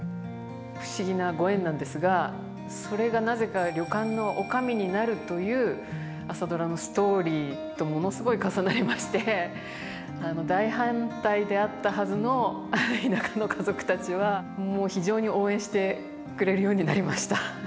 不思議なご縁なんですがそれがなぜか旅館の女将になるという「朝ドラ」のストーリーとものすごい重なりまして大反対であったはずの田舎の家族たちはもう非常に応援してくれるようになりました。